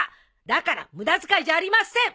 だから無駄遣いじゃありません！